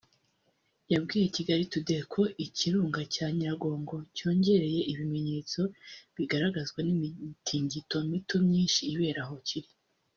yabwiye Kigali Today ko ikirunga cya Nyiragongo cyongereye ibimenyetso bigaragazwa n’imitingito mito myinshi ibera aho kiri